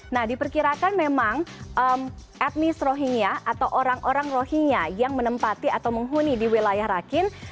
nah diperkirakan memang etnis rohingya atau orang orang rohingya yang menempati atau menghuni di wilayah rakin